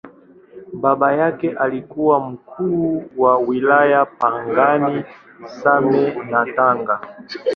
Baba yake alikuwa Mkuu wa Wilaya Pangani, Same na Tanga.